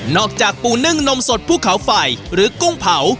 จากปูนึ่งนมสดภูเขาไฟหรือกุ้งเผา